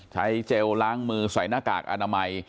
เจลล้างมือใส่หน้ากากอนามัย